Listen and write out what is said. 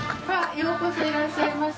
ようこそいらっしゃいませ。